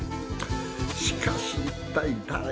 しかし一体誰が。